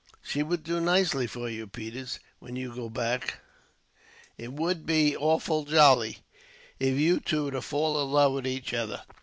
"She would do nicely for you, Peters, when you go back. It would be awfully jolly, if you two were to fall in love with each other."